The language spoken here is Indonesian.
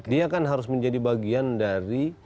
dia kan harus menjadi bagian dari